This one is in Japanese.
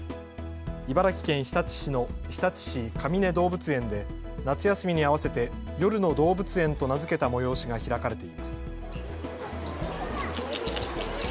茨城県日立市の日立市かみね動物園で夏休みに合わせて夜の動物園と名付けた催しが開かれています。